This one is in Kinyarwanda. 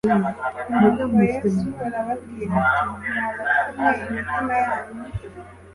Nuko Yesu arababwira ati: «mwa bapfu mwe imitima yanyu